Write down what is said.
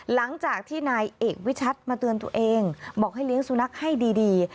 หลังจากที่นายเอกวิชัดมาเตือนตัวเองบอกให้เลี้ยงสุนัขให้ดี